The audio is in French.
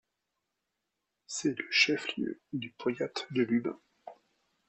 C'est le chef-lieu du powiat de Lubin.